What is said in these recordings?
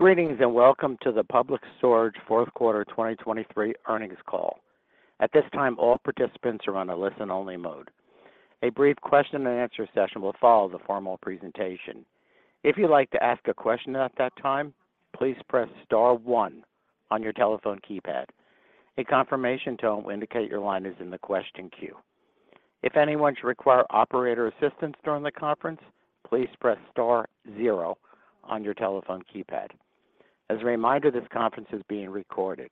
Greetings and welcome to the Public Storage fourth quarter 2023 earnings call. At this time, all participants are on a listen-only mode. A brief question-and-answer session will follow the formal presentation. If you'd like to ask a question at that time, please press star one on your telephone keypad. A confirmation tone will indicate your line is in the question queue. If anyone should require operator assistance during the conference, please press star zero on your telephone keypad. As a reminder, this conference is being recorded.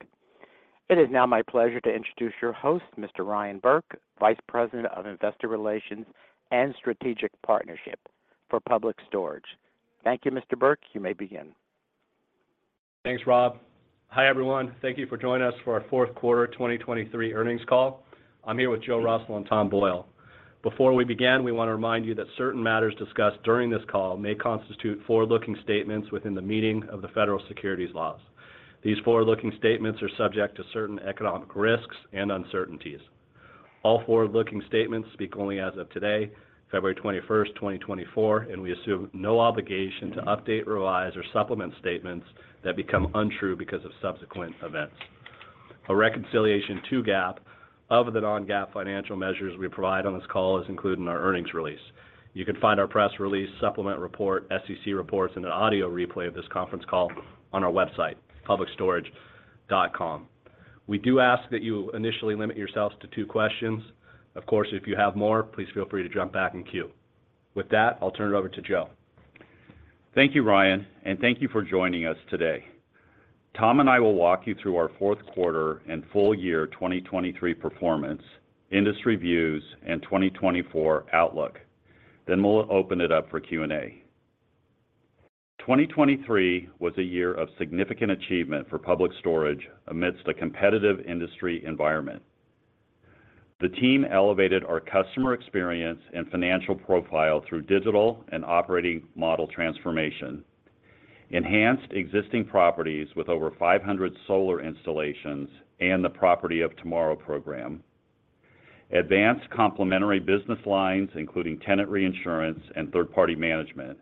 It is now my pleasure to introduce your host, Mr. Ryan Burke, Vice President of Investor Relations and Strategic Partnership for Public Storage. Thank you. Mr. Burke, you may begin. Thanks, Rob. Hi, everyone. Thank you for joining us for our fourth quarter 2023 earnings call. I'm here with Joe Russell and Tom Boyle. Before we begin, we want to remind you that certain matters discussed during this call may constitute forward-looking statements within the meaning of the federal securities laws. These forward-looking statements are subject to certain economic risks and uncertainties. All forward-looking statements speak only as of today, February 21st, 2024, and we assume no obligation to update, revise, or supplement statements that become untrue because of subsequent events. A reconciliation to GAAP, other than non-GAAP financial measures we provide on this call, is included in our earnings release. You can find our press release, supplemental report, SEC reports, and an audio replay of this conference call on our website, publicstorage.com. We do ask that you initially limit yourselves to two questions. Of course, if you have more, please feel free to jump back in queue. With that, I'll turn it over to Joe. Thank you, Ryan, and thank you for joining us today. Tom and I will walk you through our fourth quarter and full year 2023 performance, industry views, and 2024 outlook, then we'll open it up for Q&A. 2023 was a year of significant achievement for Public Storage amidst a competitive industry environment. The team elevated our customer experience and financial profile through digital and operating model transformation, enhanced existing properties with over 500 solar installations and the Property of Tomorrow program, advanced complementary business lines including tenant reinsurance and third-party management,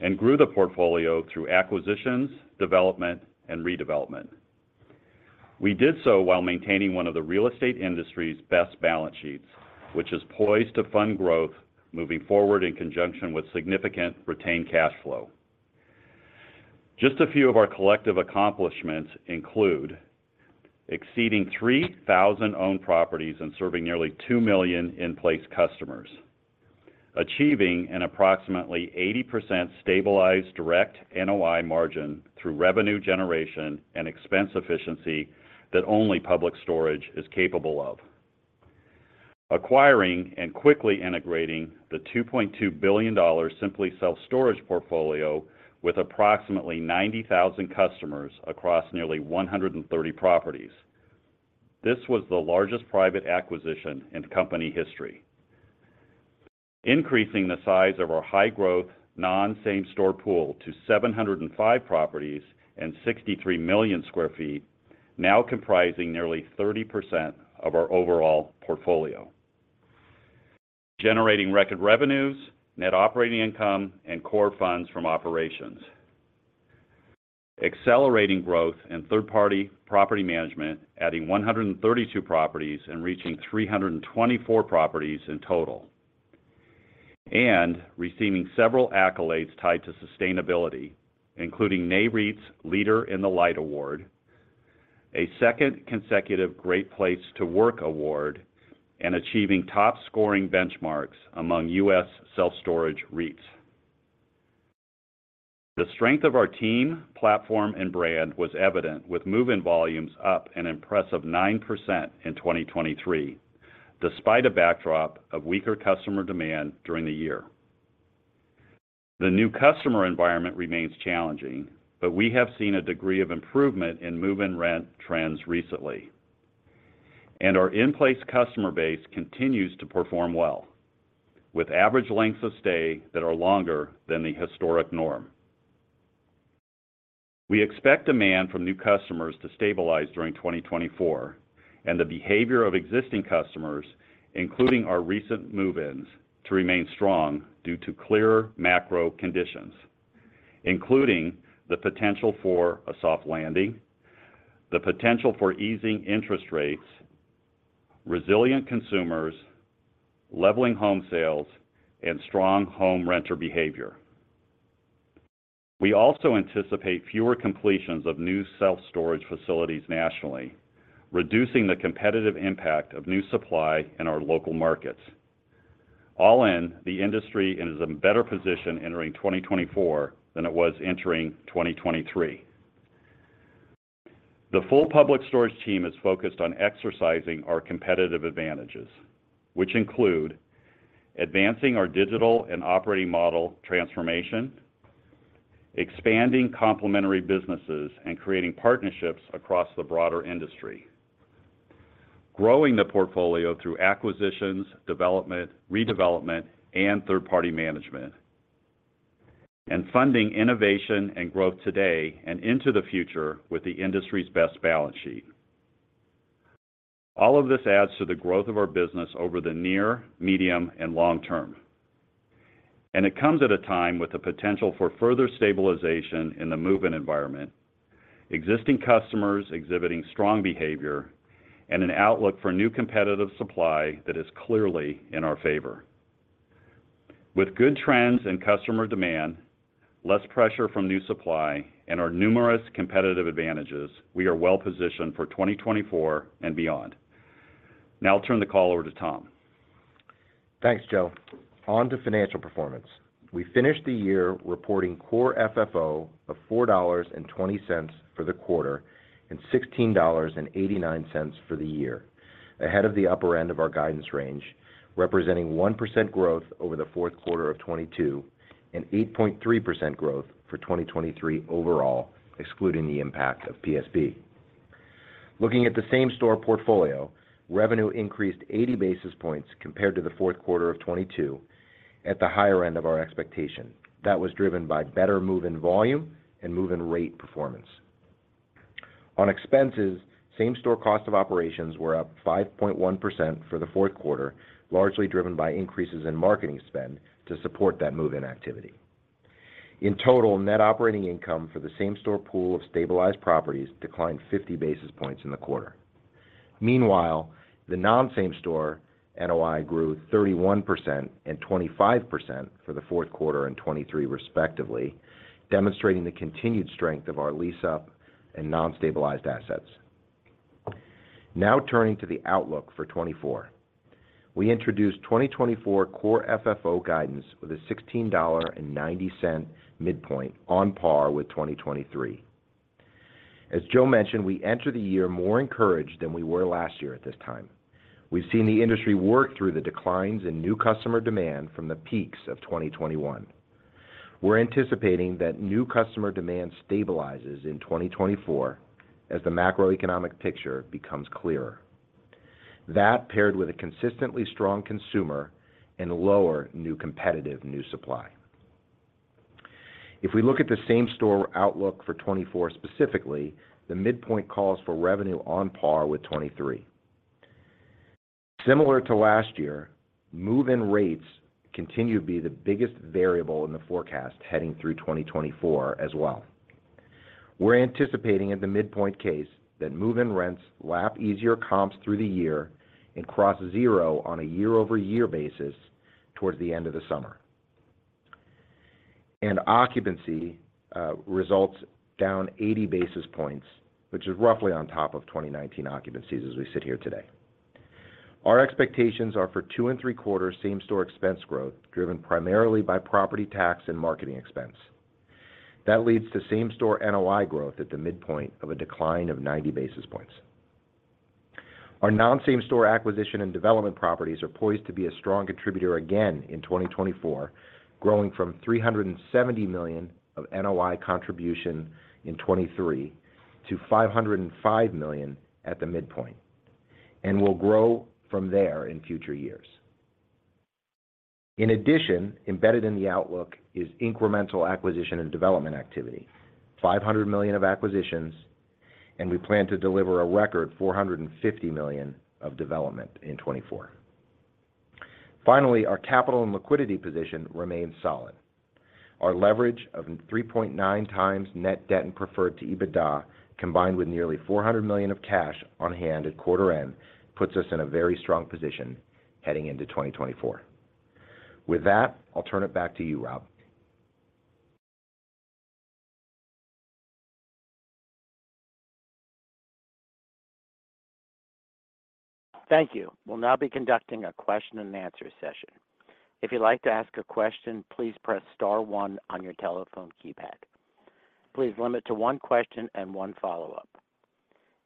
and grew the portfolio through acquisitions, development, and redevelopment. We did so while maintaining one of the real estate industry's best balance sheets, which is poised to fund growth moving forward in conjunction with significant retained cash flow. Just a few of our collective accomplishments include exceeding 3,000 owned properties and serving nearly 2 million in-place customers, achieving an approximately 80% stabilized direct NOI margin through revenue generation and expense efficiency that only Public Storage is capable of, acquiring and quickly integrating the $2.2 billion Simply Self Storage portfolio with approximately 90,000 customers across nearly 130 properties. This was the largest private acquisition in company history, increasing the size of our high-growth non-same-store pool to 705 properties and 63 million sq ft, now comprising nearly 30% of our overall portfolio, generating record revenues, net operating income, and core funds from operations, accelerating growth in third-party property management, adding 132 properties and reaching 324 properties in total, and receiving several accolades tied to sustainability, including Nareit's Leader in the Light Award, a second consecutive Great Place to Work Award, and achieving top-scoring benchmarks among U.S. self-storage REITs. The strength of our team, platform, and brand was evident, with move-in volumes up an impressive 9% in 2023 despite a backdrop of weaker customer demand during the year. The new customer environment remains challenging, but we have seen a degree of improvement in move-in rent trends recently, and our in-place customer base continues to perform well, with average lengths of stay that are longer than the historic norm. We expect demand from new customers to stabilize during 2024, and the behavior of existing customers, including our recent move-ins, to remain strong due to clearer macro conditions, including the potential for a soft landing, the potential for easing interest rates, resilient consumers, leveling home sales, and strong home renter behavior. We also anticipate fewer completions of new self-storage facilities nationally, reducing the competitive impact of new supply in our local markets, all in the industry in a better position entering 2024 than it was entering 2023. The full Public Storage team is focused on exercising our competitive advantages, which include advancing our digital and operating model transformation, expanding complementary businesses, and creating partnerships across the broader industry, growing the portfolio through acquisitions, development, redevelopment, and third-party management, and funding innovation and growth today and into the future with the industry's best balance sheet. All of this adds to the growth of our business over the near, medium, and long term, and it comes at a time with the potential for further stabilization in the move-in environment, existing customers exhibiting strong behavior, and an outlook for new competitive supply that is clearly in our favor. With good trends in customer demand, less pressure from new supply, and our numerous competitive advantages, we are well-positioned for 2024 and beyond. Now I'll turn the call over to Tom. Thanks, Joe. On to financial performance. We finished the year reporting core FFO of $4.20 for the quarter and $16.89 for the year, ahead of the upper end of our guidance range, representing 1% growth over the fourth quarter of 2022 and 8.3% growth for 2023 overall, excluding the impact of PSB. Looking at the same-store portfolio, revenue increased 80 basis points compared to the fourth quarter of 2022 at the higher end of our expectation. That was driven by better move-in volume and move-in rate performance. On expenses, same-store cost of operations were up 5.1% for the fourth quarter, largely driven by increases in marketing spend to support that move-in activity. In total, net operating income for the same-store pool of stabilized properties declined 50 basis points in the quarter. Meanwhile, the non-same-store NOI grew 31% and 25% for the fourth quarter and 2023, respectively, demonstrating the continued strength of our lease-up and non-stabilized assets. Now turning to the outlook for 2024. We introduced 2024 core FFO guidance with a $16.90 midpoint, on par with 2023. As Joe mentioned, we entered the year more encouraged than we were last year at this time. We've seen the industry work through the declines in new customer demand from the peaks of 2021. We're anticipating that new customer demand stabilizes in 2024 as the macroeconomic picture becomes clearer, that paired with a consistently strong consumer and lower new competitive new supply. If we look at the same-store outlook for 2024 specifically, the midpoint calls for revenue on par with 2023. Similar to last year, move-in rates continue to be the biggest variable in the forecast heading through 2024 as well. We're anticipating at the midpoint case that move-in rents lap easier comps through the year and cross zero on a year-over-year basis towards the end of the summer, and occupancy results down 80 basis points, which is roughly on top of 2019 occupancies as we sit here today. Our expectations are for 2.75 same-store expense growth driven primarily by property tax and marketing expense. That leads to same-store NOI growth at the midpoint of a decline of 90 basis points. Our non-same-store acquisition and development properties are poised to be a strong contributor again in 2024, growing from $370 million of NOI contribution in 2023 to $505 million at the midpoint and will grow from there in future years. In addition, embedded in the outlook is incremental acquisition and development activity, $500 million of acquisitions, and we plan to deliver a record $450 million of development in 2024. Finally, our capital and liquidity position remains solid. Our leverage of 3.9x net debt and preferred to EBITDA, combined with nearly $400 million of cash on hand at quarter end, puts us in a very strong position heading into 2024. With that, I'll turn it back to you, Rob. Thank you. We'll now be conducting a question-and-answer session. If you'd like to ask a question, please press star one on your telephone keypad. Please limit to one question and one follow-up.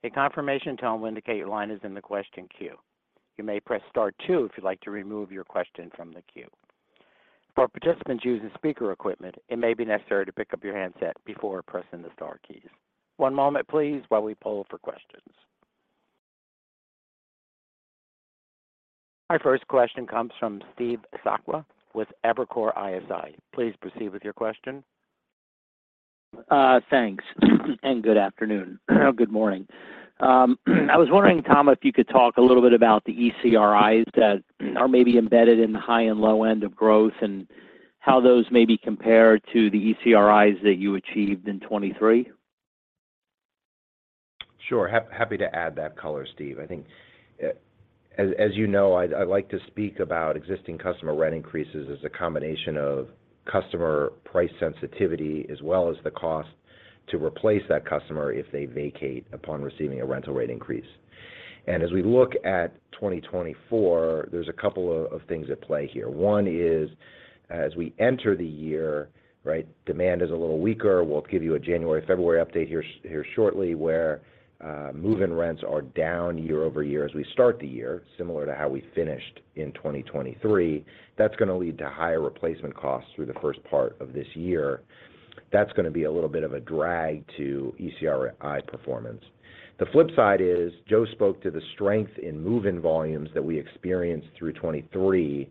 A confirmation tone will indicate your line is in the question queue. You may press star two if you'd like to remove your question from the queue. For participants using speaker equipment, it may be necessary to pick up your handset before pressing the star keys. One moment, please, while we pull for questions. Our first question comes from Steve Sakwa with Evercore ISI. Please proceed with your question. Thanks, and good afternoon or good morning. I was wondering, Tom, if you could talk a little bit about the ECRIs that are maybe embedded in the high and low end of growth and how those may be compared to the ECRIs that you achieved in 2023? Sure. Happy to add that color, Steve. I think, as you know, I like to speak about existing customer rent increases as a combination of customer price sensitivity as well as the cost to replace that customer if they vacate upon receiving a rental rate increase. And as we look at 2024, there's a couple of things at play here. One is, as we enter the year, demand is a little weaker. We'll give you a January, February update here shortly where move-in rents are down year-over-year as we start the year, similar to how we finished in 2023. That's going to lead to higher replacement costs through the first part of this year. That's going to be a little bit of a drag to ECRI performance. The flip side is, Joe spoke to the strength in move-in volumes that we experienced through 2023.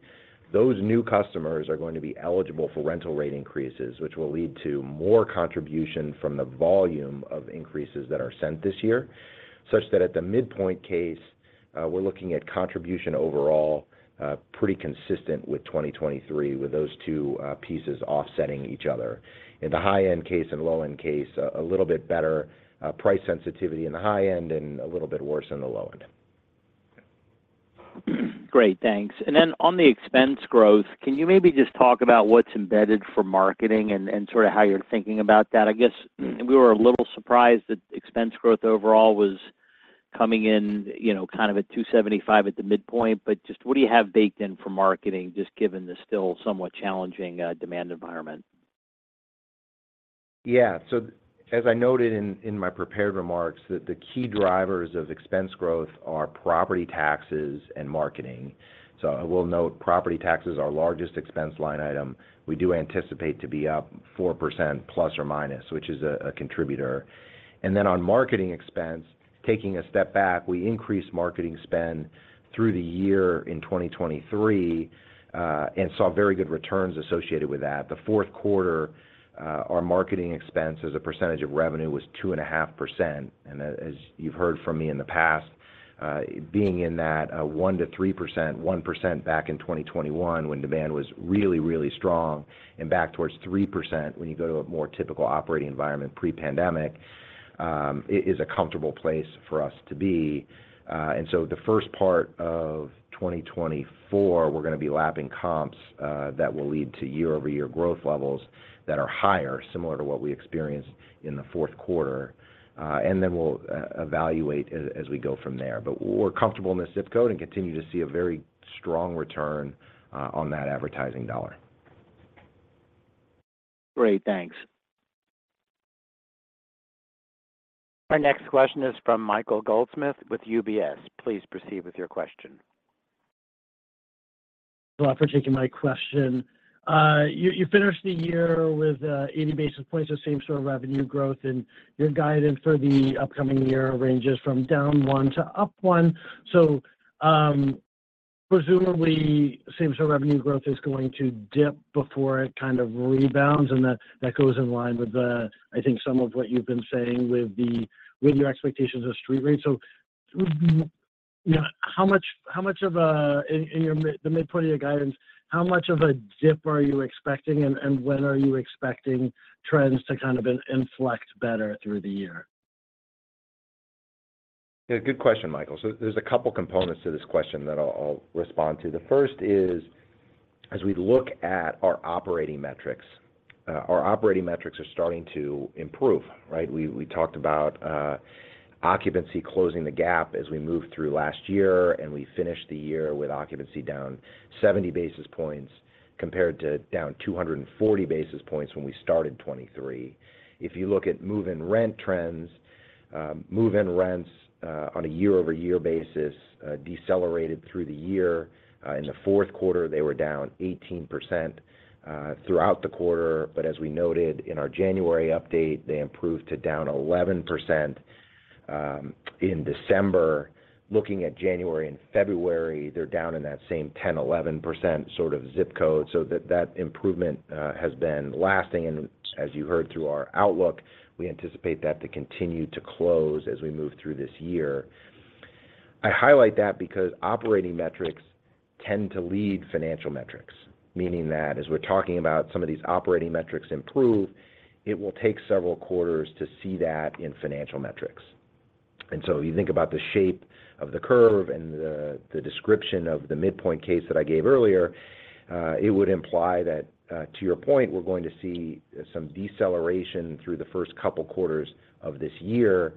Those new customers are going to be eligible for rental rate increases, which will lead to more contribution from the volume of increases that are sent this year, such that at the midpoint case, we're looking at contribution overall pretty consistent with 2023, with those two pieces offsetting each other. In the high-end case and low-end case, a little bit better price sensitivity in the high end and a little bit worse in the low end. Great. Thanks. And then on the expense growth, can you maybe just talk about what's embedded for marketing and sort of how you're thinking about that? I guess we were a little surprised that expense growth overall was coming in kind of at 275 at the midpoint, but just what do you have baked in for marketing, just given the still somewhat challenging demand environment? Yeah. So as I noted in my prepared remarks, the key drivers of expense growth are property taxes and marketing. So I will note property taxes are our largest expense line item. We do anticipate to be up 4% plus or minus, which is a contributor. And then on marketing expense, taking a step back, we increased marketing spend through the year in 2023 and saw very good returns associated with that. The fourth quarter, our marketing expense as a percentage of revenue was 2.5%. And as you've heard from me in the past, being in that 1%-3%, 1% back in 2021 when demand was really, really strong, and back towards 3% when you go to a more typical operating environment pre-pandemic, is a comfortable place for us to be. The first part of 2024, we're going to be lapping comps that will lead to year-over-year growth levels that are higher, similar to what we experienced in the fourth quarter. We'll evaluate as we go from there. We're comfortable in the zip code and continue to see a very strong return on that advertising dollar. Great. Thanks. Our next question is from Michael Goldsmith with UBS. Please proceed with your question. Hello. After taking my question, you finished the year with 80 basis points of same-store revenue growth, and your guidance for the upcoming year ranges from down 1% to up 1%. So presumably, same-store revenue growth is going to dip before it kind of rebounds, and that goes in line with, I think, some of what you've been saying with your expectations of street rates. So how much of a in the midpoint of your guidance, how much of a dip are you expecting, and when are you expecting trends to kind of inflect better through the year? Yeah. Good question, Michael. So there's a couple of components to this question that I'll respond to. The first is, as we look at our operating metrics, our operating metrics are starting to improve, right? We talked about occupancy closing the gap as we move through last year, and we finished the year with occupancy down 70 basis points compared to down 240 basis points when we started 2023. If you look at move-in rent trends, move-in rents on a year-over-year basis decelerated through the year. In the fourth quarter, they were down 18% throughout the quarter. But as we noted in our January update, they improved to down 11% in December. Looking at January and February, they're down in that same 10%, 11% sort of zip code. So that improvement has been lasting. And as you heard through our outlook, we anticipate that to continue to close as we move through this year. I highlight that because operating metrics tend to lead financial metrics, meaning that as we're talking about some of these operating metrics improve, it will take several quarters to see that in financial metrics. And so if you think about the shape of the curve and the description of the midpoint case that I gave earlier, it would imply that, to your point, we're going to see some deceleration through the first couple of quarters of this year.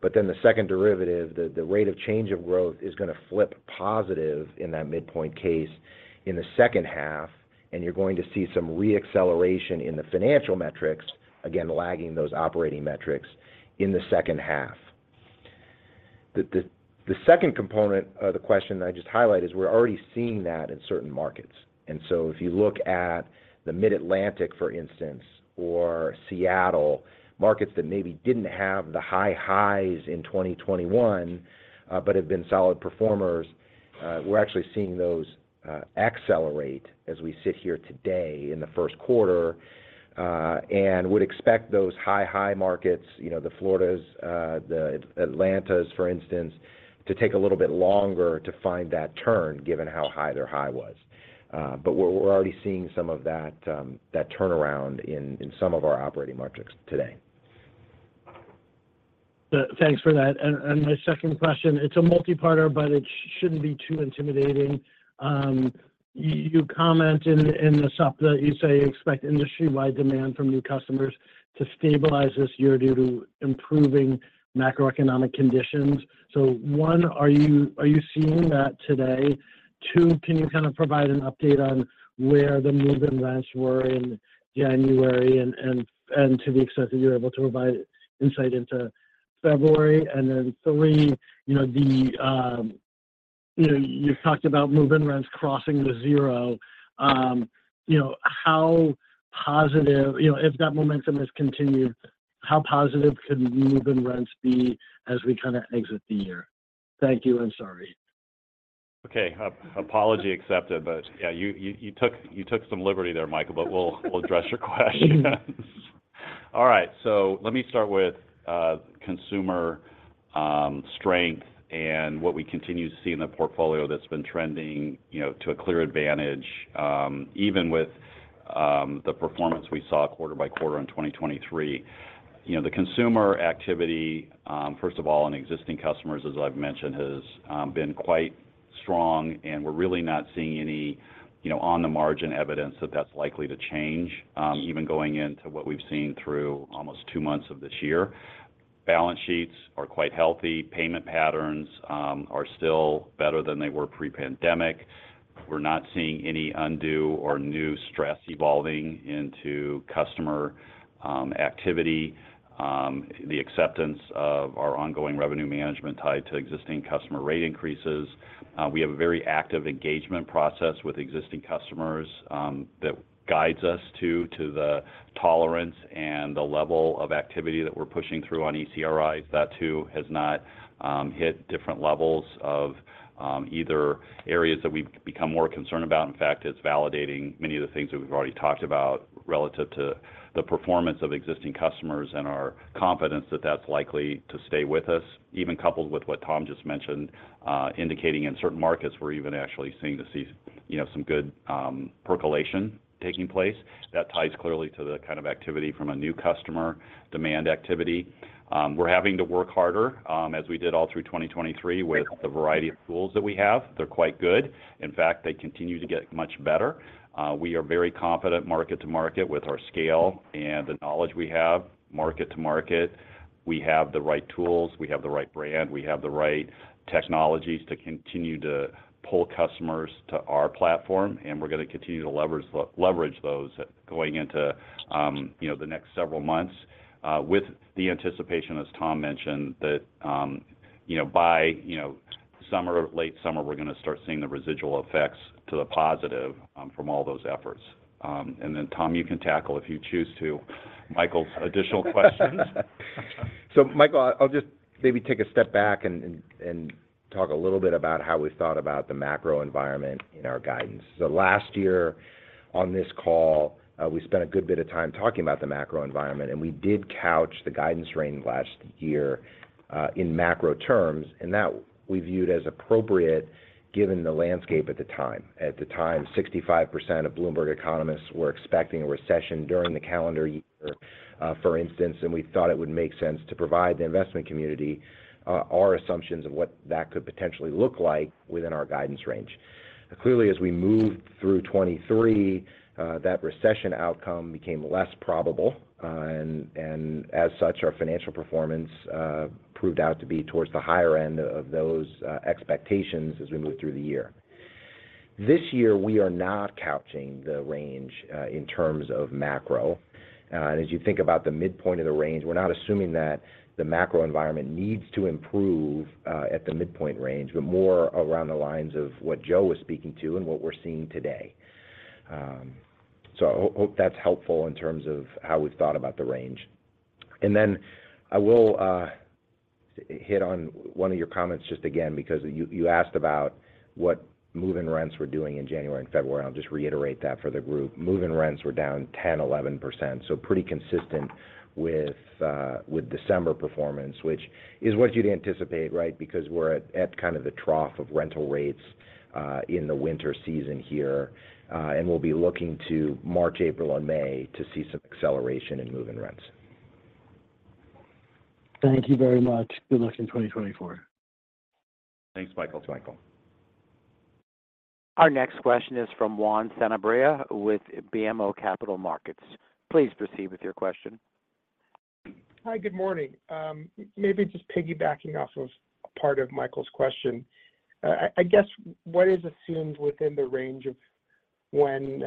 But then the second derivative, the rate of change of growth, is going to flip positive in that midpoint case in the second half, and you're going to see some re-acceleration in the financial metrics, again, lagging those operating metrics in the second half. The second component of the question that I just highlight is we're already seeing that in certain markets. And so if you look at the Mid-Atlantic, for instance, or Seattle, markets that maybe didn't have the high highs in 2021 but have been solid performers, we're actually seeing those accelerate as we sit here today in the first quarter and would expect those high high markets, the Floridas, the Atlantas, for instance, to take a little bit longer to find that turn given how high their high was. But we're already seeing some of that turnaround in some of our operating metrics today. Thanks for that. And my second question, it's a multiparter, but it shouldn't be too intimidating. You comment in the Sup that you say you expect industry-wide demand from new customers to stabilize this year due to improving macroeconomic conditions. So one, are you seeing that today? Two, can you kind of provide an update on where the move-in rents were in January and to the extent that you're able to provide insight into February? And then three, you've talked about move-in rents crossing the zero. If that momentum has continued, how positive could move-in rents be as we kind of exit the year? Thank you. I'm sorry. Okay. Apology accepted. But yeah, you took some liberty there, Michael, but we'll address your question. All right. So let me start with consumer strength and what we continue to see in the portfolio that's been trending to a clear advantage, even with the performance we saw quarter by quarter in 2023. The consumer activity, first of all, and existing customers, as I've mentioned, has been quite strong, and we're really not seeing any on-the-margin evidence that that's likely to change, even going into what we've seen through almost two months of this year. Balance sheets are quite healthy. Payment patterns are still better than they were pre-pandemic. We're not seeing any undue or new stress evolving into customer activity, the acceptance of our ongoing revenue management tied to existing customer rate increases. We have a very active engagement process with existing customers that guides us to the tolerance and the level of activity that we're pushing through on ECRIs. That, too, has not hit different levels of either areas that we've become more concerned about. In fact, it's validating many of the things that we've already talked about relative to the performance of existing customers and our confidence that that's likely to stay with us, even coupled with what Tom just mentioned, indicating in certain markets, we're even actually seeing to see some good percolation taking place. That ties clearly to the kind of activity from a new customer, demand activity. We're having to work harder as we did all through 2023 with the variety of tools that we have. They're quite good. In fact, they continue to get much better. We are very confident, market to market, with our scale and the knowledge we have. Market to market, we have the right tools. We have the right brand. We have the right technologies to continue to pull customers to our platform, and we're going to continue to leverage those going into the next several months with the anticipation, as Tom mentioned, that by summer or late summer, we're going to start seeing the residual effects to the positive from all those efforts. And then, Tom, you can tackle, if you choose to, Michael's additional questions. So Michael, I'll just maybe take a step back and talk a little bit about how we thought about the macro environment in our guidance. So last year on this call, we spent a good bit of time talking about the macro environment, and we did couch the guidance range last year in macro terms, and that we viewed as appropriate given the landscape at the time. At the time, 65% of Bloomberg economists were expecting a recession during the calendar year, for instance, and we thought it would make sense to provide the investment community our assumptions of what that could potentially look like within our guidance range. Clearly, as we moved through 2023, that recession outcome became less probable, and as such, our financial performance proved out to be towards the higher end of those expectations as we moved through the year. This year, we are not couching the range in terms of macro. As you think about the midpoint of the range, we're not assuming that the macro environment needs to improve at the midpoint range, but more around the lines of what Joe was speaking to and what we're seeing today. I hope that's helpful in terms of how we've thought about the range. Then I will hit on one of your comments just again because you asked about what move-in rents were doing in January and February. I'll just reiterate that for the group. Move-in rents were down 10%-11%, so pretty consistent with December performance, which is what you'd anticipate, right, because we're at kind of the trough of rental rates in the winter season here. We'll be looking to March, April, and May to see some acceleration in move-in rents. Thank you very much. Good luck in 2024. Thanks, Michael. Thanks, Michael. Our next question is from Juan Sanabria with BMO Capital Markets. Please proceed with your question. Hi. Good morning. Maybe just piggybacking off of part of Michael's question, I guess, what is assumed within the range of when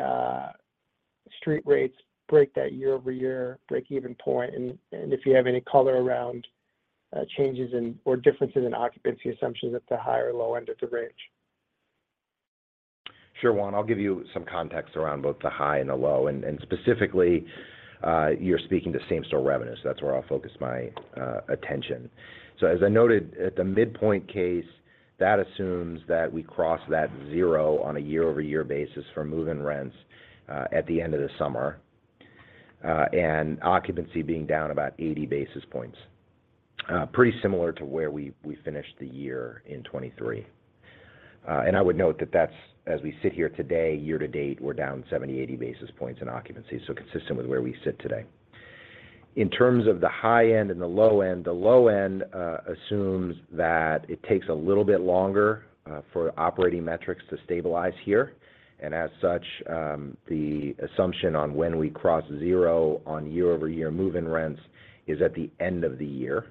street rates break that year-over-year break-even point? And if you have any color around changes or differences in occupancy assumptions at the high or low end of the range. Sure, Juan. I'll give you some context around both the high and the low. Specifically, you're speaking to same-store revenue. That's where I'll focus my attention. As I noted, at the midpoint case, that assumes that we cross that zero on a year-over-year basis for move-in rents at the end of the summer and occupancy being down about 80 basis points, pretty similar to where we finished the year in 2023. I would note that that's, as we sit here today, year to date, we're down 70 basis points-80 basis points in occupancy, so consistent with where we sit today. In terms of the high end and the low end, the low end assumes that it takes a little bit longer for operating metrics to stabilize here. And as such, the assumption on when we cross zero on year-over-year move-in rents is at the end of the year.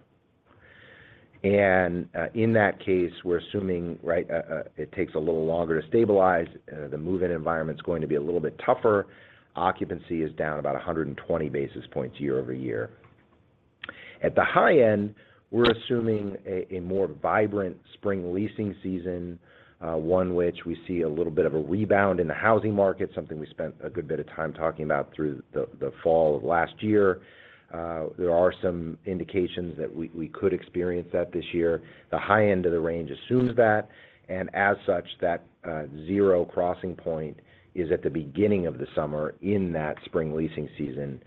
And in that case, we're assuming, right, it takes a little longer to stabilize. The move-in environment's going to be a little bit tougher. Occupancy is down about 120 basis points year-over-year. At the high end, we're assuming a more vibrant spring leasing season, one which we see a little bit of a rebound in the housing market, something we spent a good bit of time talking about through the fall of last year. There are some indications that we could experience that this year. The high end of the range assumes that. And as such, that zero crossing point is at the beginning of the summer in that spring leasing season.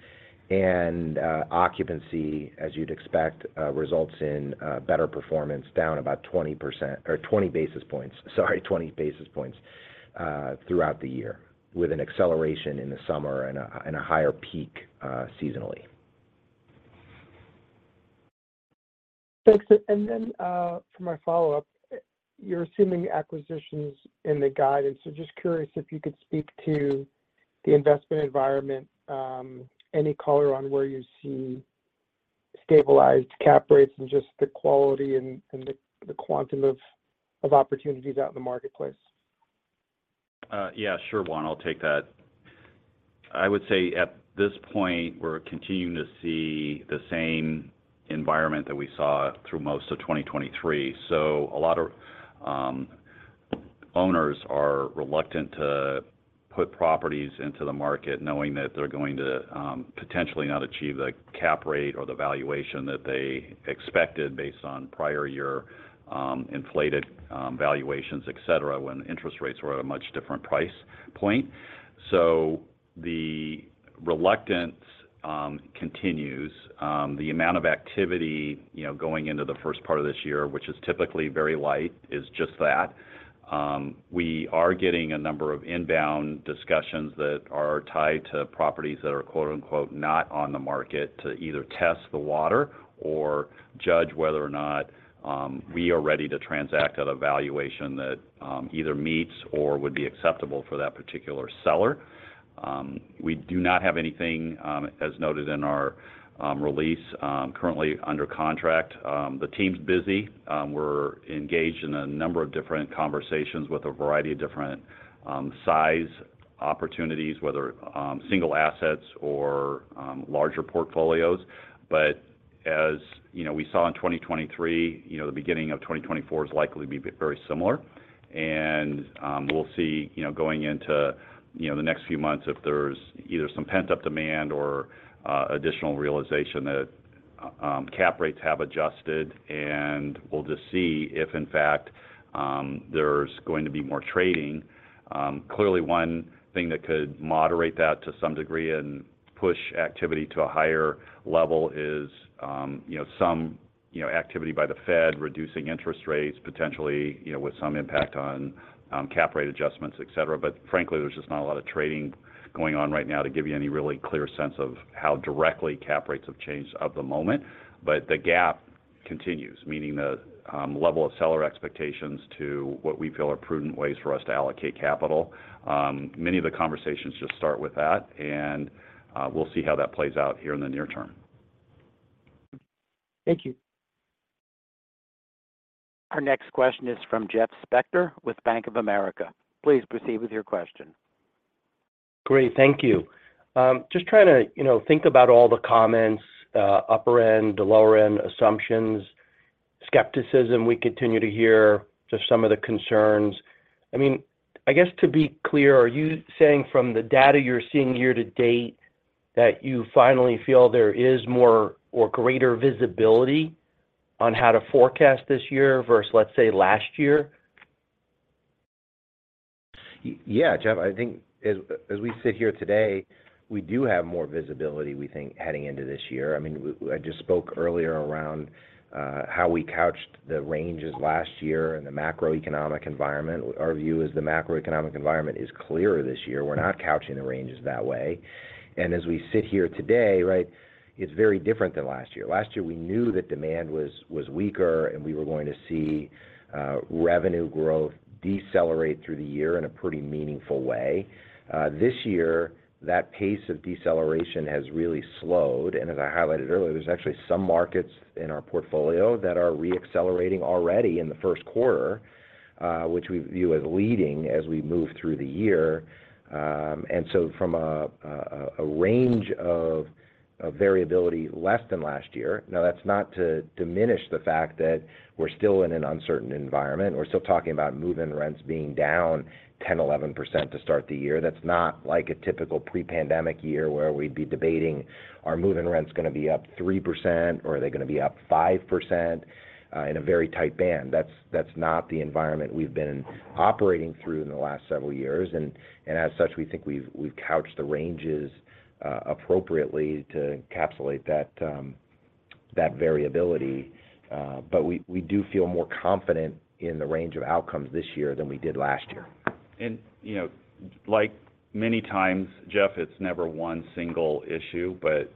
Occupancy, as you'd expect, results in better performance down about 20% or 20 basis points sorry, 20 basis points throughout the year with an acceleration in the summer and a higher peak seasonally. Thanks. And then for my follow-up, you're assuming acquisitions in the guidance. So just curious if you could speak to the investment environment, any color on where you see stabilized cap rates and just the quality and the quantum of opportunities out in the marketplace? Yeah. Sure, Juan. I'll take that. I would say at this point, we're continuing to see the same environment that we saw through most of 2023. So a lot of owners are reluctant to put properties into the market knowing that they're going to potentially not achieve the cap rate or the valuation that they expected based on prior year inflated valuations, etc., when interest rates were at a much different price point. So the reluctance continues. The amount of activity going into the first part of this year, which is typically very light, is just that. We are getting a number of inbound discussions that are tied to properties that are "not on the market" to either test the water or judge whether or not we are ready to transact at a valuation that either meets or would be acceptable for that particular seller. We do not have anything, as noted in our release, currently under contract. The team's busy. We're engaged in a number of different conversations with a variety of different size opportunities, whether single assets or larger portfolios. As we saw in 2023, the beginning of 2024 is likely to be very similar. We'll see going into the next few months if there's either some pent-up demand or additional realization that cap rates have adjusted. We'll just see if, in fact, there's going to be more trading. Clearly, one thing that could moderate that to some degree and push activity to a higher level is some activity by the Fed reducing interest rates, potentially with some impact on cap rate adjustments, etc. Frankly, there's just not a lot of trading going on right now to give you any really clear sense of how the cap rates have changed at the moment. The gap continues, meaning the level of seller expectations to what we feel are prudent ways for us to allocate capital. Many of the conversations just start with that, and we'll see how that plays out here in the near term. Thank you. Our next question is from Jeff Spector with Bank of America. Please proceed with your question. Great. Thank you. Just trying to think about all the comments, upper end, the lower end assumptions, skepticism we continue to hear, just some of the concerns. I mean, I guess to be clear, are you saying from the data you're seeing year-to-date that you finally feel there is more or greater visibility on how to forecast this year versus, let's say, last year? Yeah, Jeff. I think as we sit here today, we do have more visibility, we think, heading into this year. I mean, I just spoke earlier around how we couched the ranges last year and the macroeconomic environment. Our view is the macroeconomic environment is clearer this year. We're not couching the ranges that way. And as we sit here today, right, it's very different than last year. Last year, we knew that demand was weaker, and we were going to see revenue growth decelerate through the year in a pretty meaningful way. This year, that pace of deceleration has really slowed. And as I highlighted earlier, there's actually some markets in our portfolio that are reaccelerating already in the first quarter, which we view as leading as we move through the year. And so from a range of variability less than last year now, that's not to diminish the fact that we're still in an uncertain environment. We're still talking about move-in rents being down 10%-11% to start the year. That's not like a typical pre-pandemic year where we'd be debating, "Are move-in rents going to be up 3%, or are they going to be up 5%?" in a very tight band. That's not the environment we've been operating through in the last several years. As such, we think we've couched the ranges appropriately to encapsulate that variability. We do feel more confident in the range of outcomes this year than we did last year. And like many times, Jeff, it's never one single issue. But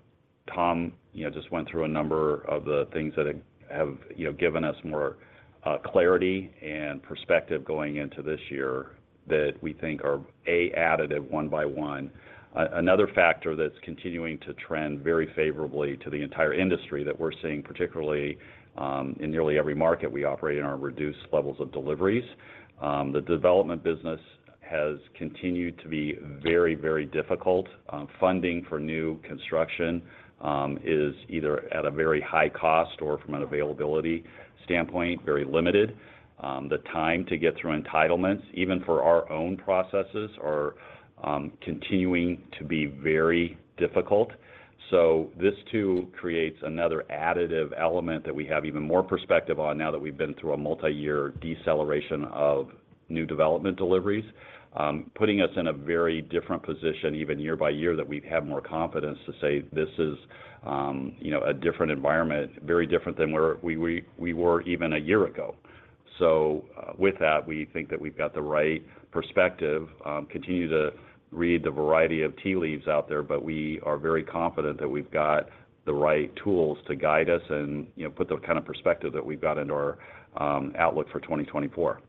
Tom just went through a number of the things that have given us more clarity and perspective going into this year that we think are, A, additive one by one. Another factor that's continuing to trend very favorably to the entire industry that we're seeing, particularly in nearly every market we operate in, are reduced levels of deliveries. The development business has continued to be very, very difficult. Funding for new construction is either at a very high cost or, from an availability standpoint, very limited. The time to get through entitlements, even for our own processes, are continuing to be very difficult. So this too creates another additive element that we have even more perspective on now that we've been through a multiyear deceleration of new development deliveries, putting us in a very different position even year by year that we've had more confidence to say, "This is a different environment, very different than where we were even a year ago." So with that, we think that we've got the right perspective. Continue to read the variety of tea leaves out there, but we are very confident that we've got the right tools to guide us and put the kind of perspective that we've got into our outlook for 2024.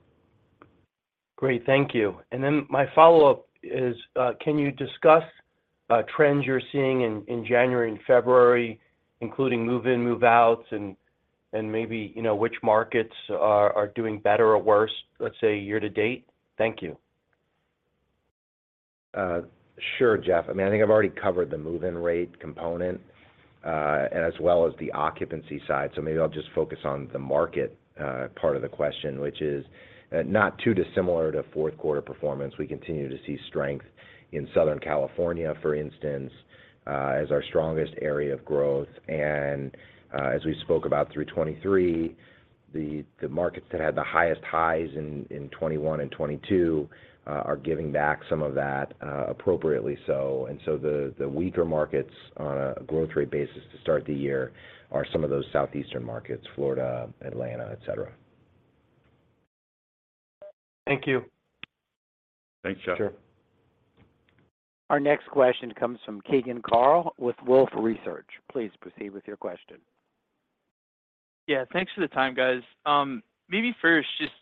Great. Thank you. And then my follow-up is, can you discuss trends you're seeing in January and February, including move-in, move-outs, and maybe which markets are doing better or worse, let's say, year to date? Thank you. Sure, Jeff. I mean, I think I've already covered the move-in rate component as well as the occupancy side. So maybe I'll just focus on the market part of the question, which is not too dissimilar to fourth-quarter performance. We continue to see strength in Southern California, for instance, as our strongest area of growth. As we spoke about through 2023, the markets that had the highest highs in 2021 and 2022 are giving back some of that appropriately so. So the weaker markets on a growth rate basis to start the year are some of those southeastern markets, Florida, Atlanta, etc. Thank you. Thanks, Jeff. Sure. Our next question comes from Keegan Carl with Wolfe Research. Please proceed with your question. Yeah. Thanks for the time, guys. Maybe first, just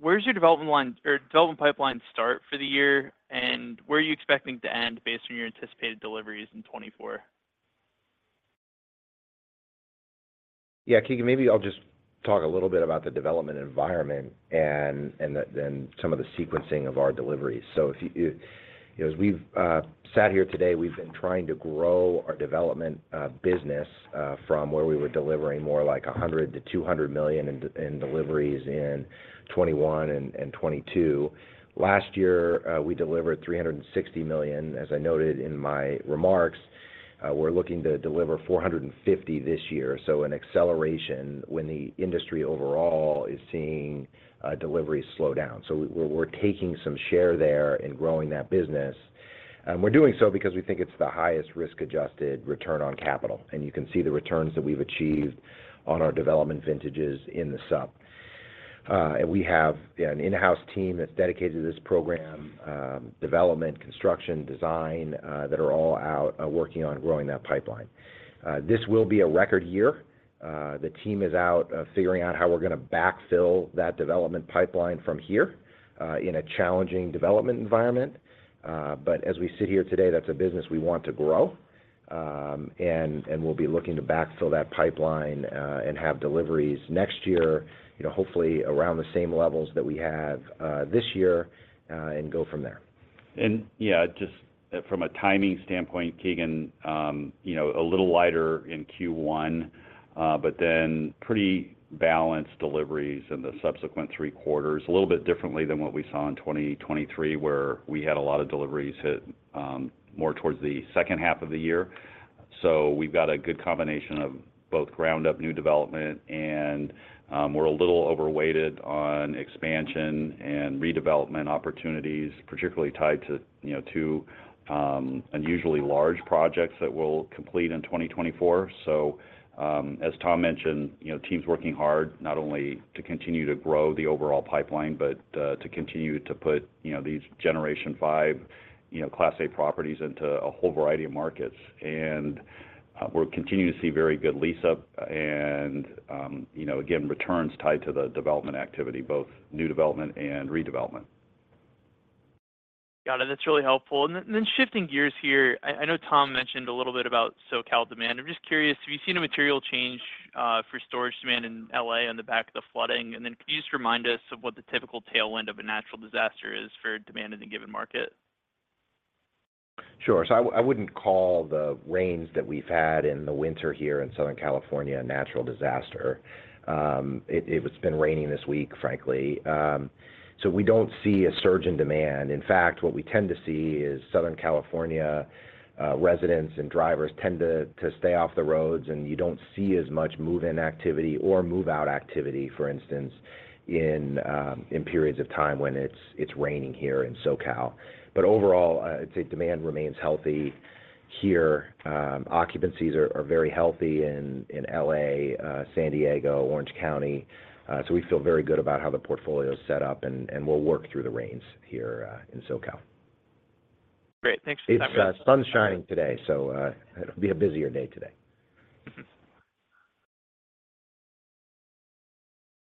where's your development line or development pipeline start for the year, and where are you expecting to end based on your anticipated deliveries in 2024? Yeah, Keegan, maybe I'll just talk a little bit about the development environment and then some of the sequencing of our deliveries. So as we've sat here today, we've been trying to grow our development business from where we were delivering more like $100 million-$200 million in deliveries in 2021 and 2022. Last year, we delivered $360 million. As I noted in my remarks, we're looking to deliver $450 million this year, so an acceleration when the industry overall is seeing deliveries slow down. So we're taking some share there in growing that business. And we're doing so because we think it's the highest risk-adjusted return on capital. And you can see the returns that we've achieved on our development vintages in the sub. And we have an in-house team that's dedicated to this program, development, construction, design, that are all out working on growing that pipeline. This will be a record year. The team is out figuring out how we're going to backfill that development pipeline from here in a challenging development environment. But as we sit here today, that's a business we want to grow. And we'll be looking to backfill that pipeline and have deliveries next year, hopefully around the same levels that we have this year, and go from there. Yeah, just from a timing standpoint, Keegan, a little lighter in Q1, but then pretty balanced deliveries in the subsequent three quarters, a little bit differently than what we saw in 2023 where we had a lot of deliveries hit more towards the second half of the year. So we've got a good combination of both ground-up new development, and we're a little overweighted on expansion and redevelopment opportunities, particularly tied to two unusually large projects that will complete in 2024. So as Tom mentioned, team's working hard, not only to continue to grow the overall pipeline but to continue to put these Generation 5 Class A properties into a whole variety of markets. And we're continuing to see very good lease-up and, again, returns tied to the development activity, both new development and redevelopment. Got it. That's really helpful. And then shifting gears here, I know Tom mentioned a little bit about so-called demand. I'm just curious, have you seen a material change for storage demand in L.A. on the back of the flooding? And then can you just remind us of what the typical tailwind of a natural disaster is for demand in a given market? Sure. So I wouldn't call the rains that we've had in the winter here in Southern California a natural disaster. It's been raining this week, frankly. So we don't see a surge in demand. In fact, what we tend to see is Southern California residents and drivers tend to stay off the roads, and you don't see as much move-in activity or move-out activity, for instance, in periods of time when it's raining here in SoCal. But overall, I'd say demand remains healthy here. Occupancies are very healthy in L.A., San Diego, Orange County. So we feel very good about how the portfolio is set up, and we'll work through the rains here in SoCal. Great. Thanks for the time out. It's sun shining today, so it'll be a busier day today.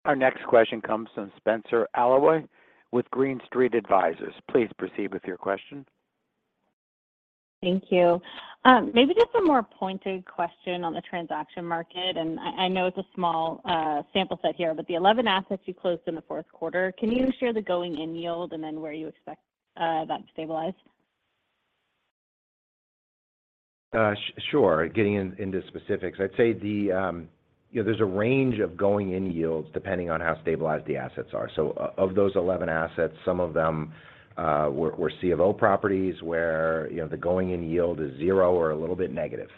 Our next question comes from Spenser Allaway with Green Street Advisors. Please proceed with your question. Thank you. Maybe just a more pointed question on the transaction market. I know it's a small sample set here, but the 11 assets you closed in the fourth quarter, can you share the going-in yield and then where you expect that to stabilize? Sure. Getting into specifics, I'd say there's a range of going-in yields depending on how stabilized the assets are. So of those 11 assets, some of them were C of O properties where the going-in yield is zero or a little bit negative.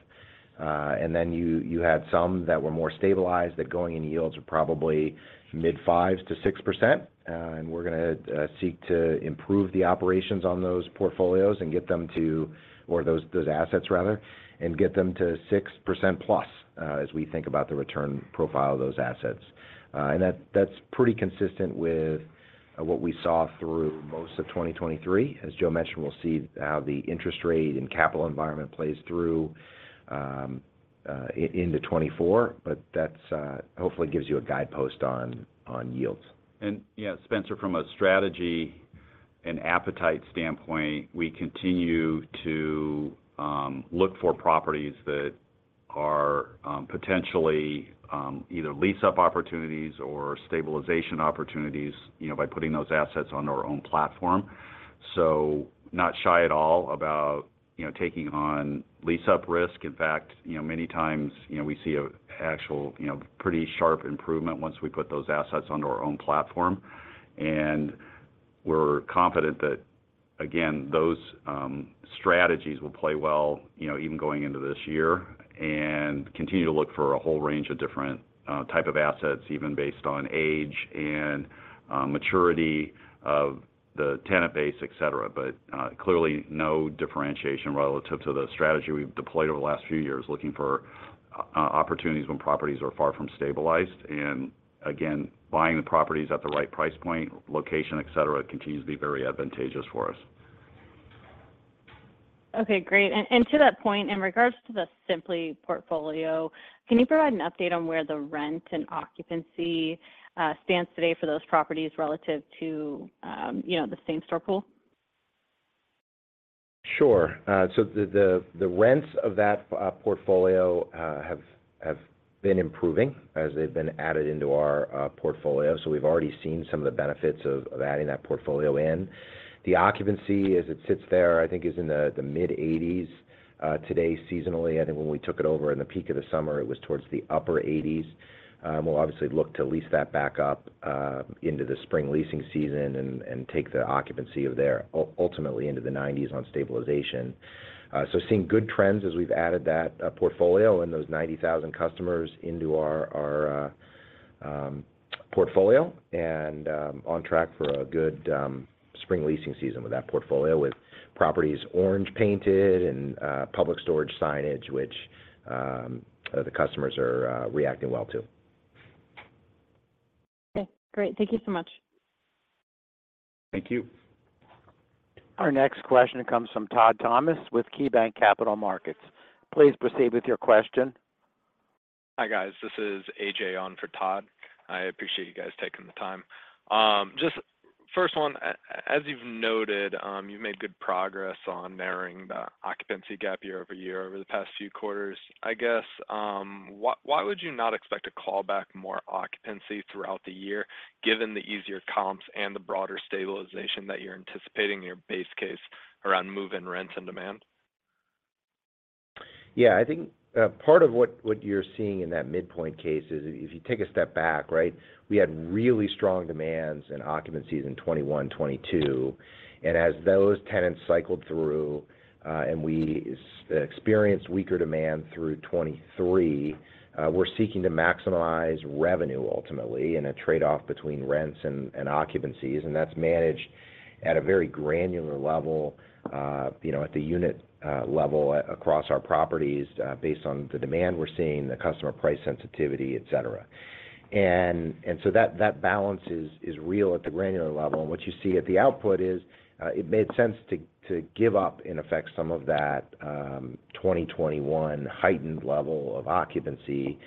And then you had some that were more stabilized that going-in yields were probably mid-5% to 6%. And we're going to seek to improve the operations on those portfolios and get them to or those assets, rather, and get them to 6%+ as we think about the return profile of those assets. And that's pretty consistent with what we saw through most of 2023. As Joe mentioned, we'll see how the interest rate and capital environment plays through into 2024, but that hopefully gives you a guidepost on yields. And yeah, Spenser, from a strategy and appetite standpoint, we continue to look for properties that are potentially either lease-up opportunities or stabilization opportunities by putting those assets on our own platform. So not shy at all about taking on lease-up risk. In fact, many times, we see an actual pretty sharp improvement once we put those assets onto our own platform. And we're confident that, again, those strategies will play well even going into this year and continue to look for a whole range of different type of assets, even based on age and maturity of the tenant base, etc. But clearly, no differentiation relative to the strategy we've deployed over the last few years, looking for opportunities when properties are far from stabilized. And again, buying the properties at the right price point, location, etc., continues to be very advantageous for us. Okay. Great. To that point, in regards to the Simply portfolio, can you provide an update on where the rent and occupancy stands today for those properties relative to the same-store pool? Sure. So the rents of that portfolio have been improving as they've been added into our portfolio. So we've already seen some of the benefits of adding that portfolio in. The occupancy, as it sits there, I think is in the mid-80s today seasonally. I think when we took it over in the peak of the summer, it was towards the upper 80s. We'll obviously look to lease that back up into the spring leasing season and take the occupancy of there ultimately into the 90s on stabilization. So seeing good trends as we've added that portfolio and those 90,000 customers into our portfolio and on track for a good spring leasing season with that portfolio, with properties orange-painted and Public Storage signage, which the customers are reacting well to. Okay. Great. Thank you so much. Thank you. Our next question comes from Todd Thomas with KeyBanc Capital Markets. Please proceed with your question. Hi, guys. This is AJ on for Todd. I appreciate you guys taking the time. Just first one, as you've noted, you've made good progress on narrowing the occupancy gap year-over-year over the past few quarters. I guess, why would you not expect to call back more occupancy throughout the year given the easier comps and the broader stabilization that you're anticipating in your base case around move-in rents and demand? Yeah. I think part of what you're seeing in that midpoint case is if you take a step back, right, we had really strong demands and occupancies in 2021, 2022. And as those tenants cycled through and we experienced weaker demand through 2023, we're seeking to maximize revenue ultimately in a trade-off between rents and occupancies. And that's managed at a very granular level at the unit level across our properties based on the demand we're seeing, the customer price sensitivity, etc. And so that balance is real at the granular level. And what you see at the output is it made sense to give up, in effect, some of that 2021 heightened level of occupancy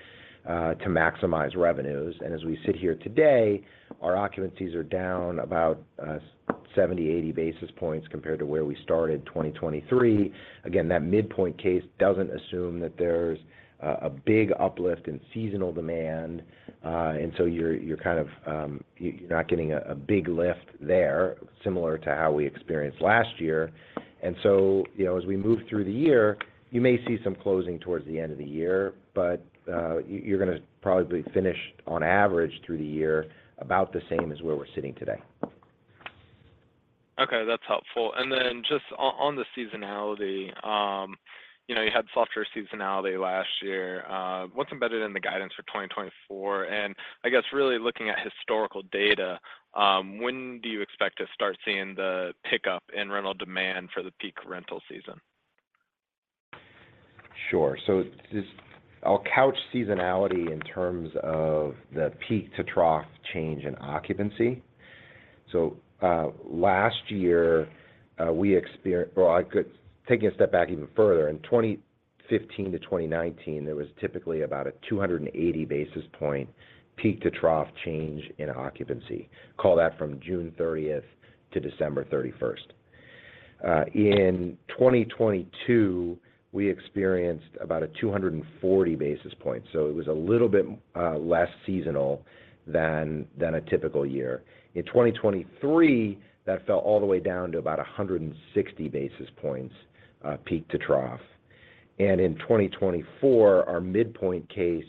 to maximize revenues. And as we sit here today, our occupancies are down about 70 basis points-80 basis points compared to where we started 2023. Again, that midpoint case doesn't assume that there's a big uplift in seasonal demand. And so you're kind of not getting a big lift there, similar to how we experienced last year. And so as we move through the year, you may see some closing towards the end of the year, but you're going to probably finish, on average, through the year about the same as where we're sitting today. Okay. That's helpful. And then just on the seasonality, you had softer seasonality last year. What's embedded in the guidance for 2024? And I guess really looking at historical data, when do you expect to start seeing the pickup in rental demand for the peak rental season? Sure. So I'll couch seasonality in terms of the peak-to-trough change in occupancy. So last year, we well, taking a step back even further, in 2015 to 2019, there was typically about a 280-basis-point peak-to-trough change in occupancy, call that from June 30th to December 31st. In 2022, we experienced about a 240-basis-point. So it was a little bit less seasonal than a typical year. In 2023, that fell all the way down to about 160-basis-points peak-to-trough. And in 2024, our midpoint case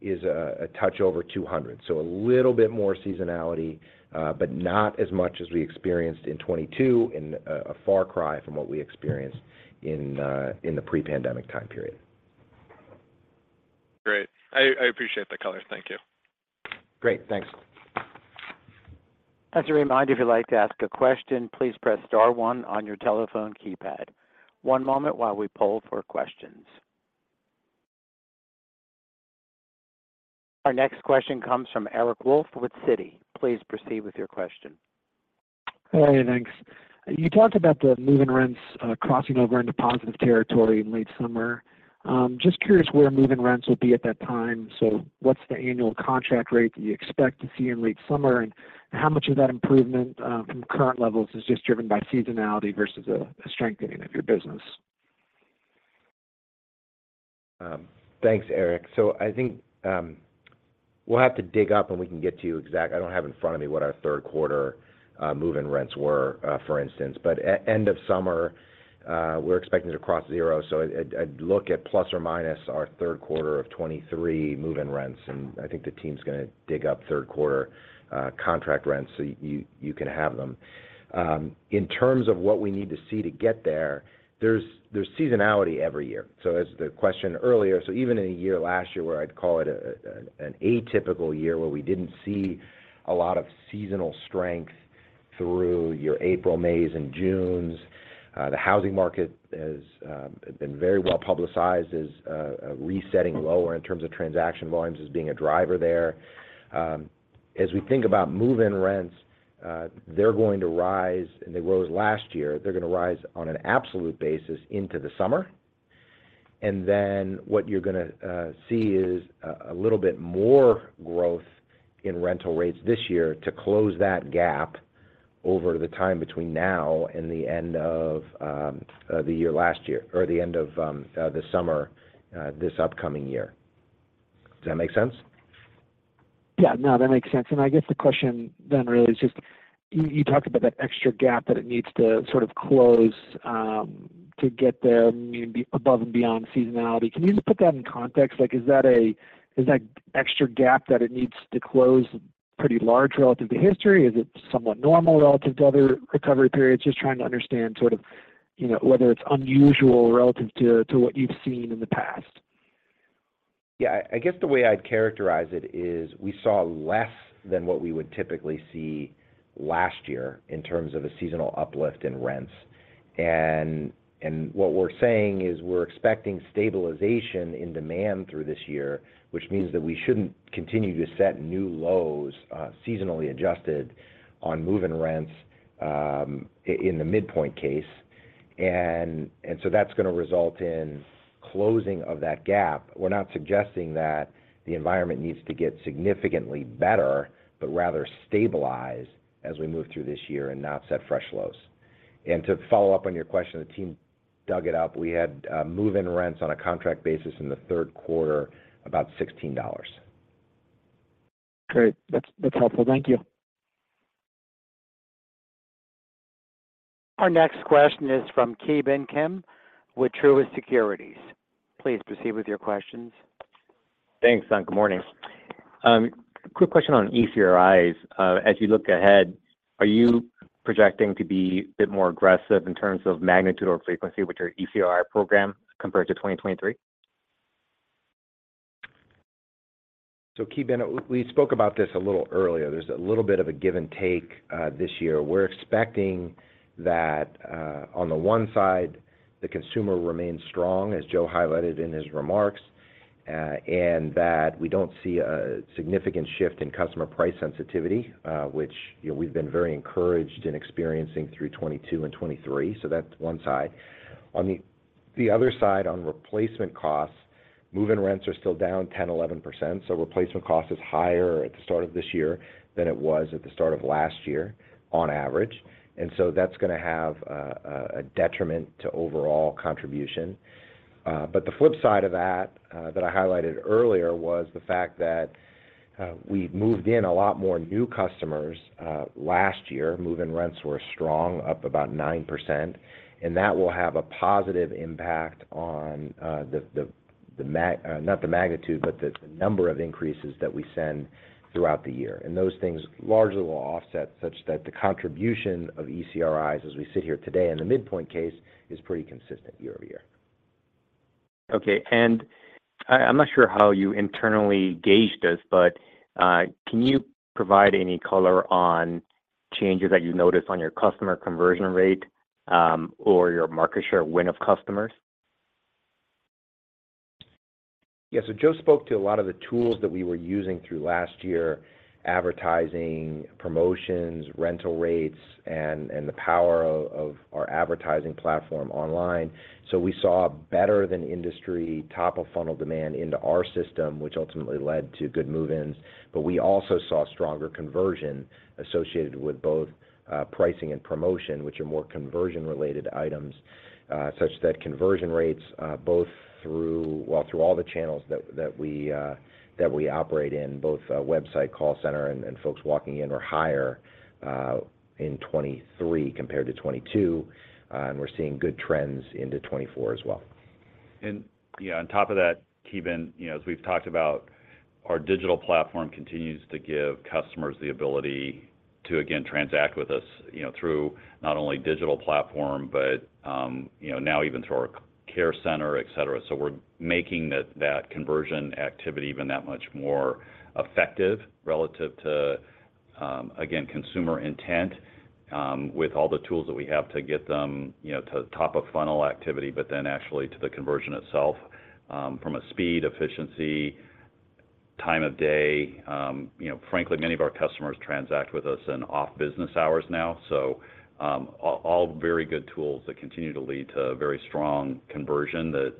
is a touch over 200, so a little bit more seasonality but not as much as we experienced in 2022 and a far cry from what we experienced in the pre-pandemic time period. Great. I appreciate the color. Thank you. Great. Thanks. As a reminder, if you'd like to ask a question, please press star one on your telephone keypad. One moment while we pull for questions. Our next question comes from Eric Wolfe with Citi. Please proceed with your question. Hey. Thanks. You talked about the move-in rents crossing over into positive territory in late summer. Just curious where move-in rents will be at that time. So what's the annual contract rate that you expect to see in late summer, and how much of that improvement from current levels is just driven by seasonality versus a strengthening of your business? Thanks, Eric. So I think we'll have to dig up, and we can get to you exact. I don't have in front of me what our third quarter move-in rents were, for instance. But end of summer, we're expecting to cross zero. So I'd look at ± our third quarter of 2023 move-in rents. And I think the team's going to dig up third quarter contract rents so you can have them. In terms of what we need to see to get there, there's seasonality every year. So as the question earlier so even in a year last year where I'd call it an atypical year where we didn't see a lot of seasonal strength through your April, May, and June, the housing market has been very well publicized as resetting lower in terms of transaction volumes as being a driver there. As we think about move-in rents, they're going to rise, and they rose last year. They're going to rise on an absolute basis into the summer. And then what you're going to see is a little bit more growth in rental rates this year to close that gap over the time between now and the end of the year last year or the end of the summer this upcoming year. Does that make sense? Yeah. No, that makes sense. I guess the question then really is just you talked about that extra gap that it needs to sort of close to get there above and beyond seasonality. Can you just put that in context? Is that extra gap that it needs to close pretty large relative to history? Is it somewhat normal relative to other recovery periods? Just trying to understand sort of whether it's unusual relative to what you've seen in the past. Yeah. I guess the way I'd characterize it is we saw less than what we would typically see last year in terms of a seasonal uplift in rents. And what we're saying is we're expecting stabilization in demand through this year, which means that we shouldn't continue to set new lows seasonally adjusted on move-in rents in the midpoint case. And so that's going to result in closing of that gap. We're not suggesting that the environment needs to get significantly better but rather stabilize as we move through this year and not set fresh lows. And to follow up on your question, the team dug it up. We had move-in rents on a contract basis in the third quarter about $16. Great. That's helpful. Thank you. Our next question is from Ki Bin Kim with Truist Securities. Please proceed with your questions. Thanks and good morning. Quick question on ECRIs. As you look ahead, are you projecting to be a bit more aggressive in terms of magnitude or frequency with your ECRI program compared to 2023? So Ki Bin, we spoke about this a little earlier. There's a little bit of a give-and-take this year. We're expecting that on the one side, the consumer remains strong, as Joe highlighted in his remarks, and that we don't see a significant shift in customer price sensitivity, which we've been very encouraged in experiencing through 2022 and 2023. So that's one side. On the other side, on replacement costs, move-in rents are still down 10%-11%. So replacement cost is higher at the start of this year than it was at the start of last year on average. And so that's going to have a detriment to overall contribution. But the flip side of that that I highlighted earlier was the fact that we moved in a lot more new customers last year. Move-in rents were strong, up about 9%. That will have a positive impact on the not the magnitude, but the number of increases that we send throughout the year. Those things largely will offset such that the contribution of ECRIs as we sit here today in the midpoint case is pretty consistent year-over-year. Okay. I'm not sure how you internally gauged this, but can you provide any color on changes that you noticed on your customer conversion rate or your market share win of customers? Yeah. So Joe spoke to a lot of the tools that we were using through last year, advertising, promotions, rental rates, and the power of our advertising platform online. So we saw better-than-industry top-of-funnel demand into our system, which ultimately led to good move-ins. But we also saw stronger conversion associated with both pricing and promotion, which are more conversion-related items, such that conversion rates both through all the channels that we operate in, both website, call center, and folks walking in were higher in 2023 compared to 2022. And we're seeing good trends into 2024 as well. And yeah, on top of that, Ki Bin, as we've talked about, our digital platform continues to give customers the ability to, again, transact with us through not only digital platform but now even through our care center, etc. So we're making that conversion activity even that much more effective relative to, again, consumer intent with all the tools that we have to get them to top-of-funnel activity but then actually to the conversion itself from a speed, efficiency, time of day. Frankly, many of our customers transact with us in off-business hours now. So all very good tools that continue to lead to very strong conversion that,